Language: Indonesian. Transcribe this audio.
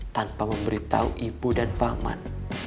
tanpa memberitahu ibu dan paman